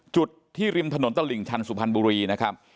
จุดที่ริมถนนตลิ่งชันสุพรรณบุรีนะครับ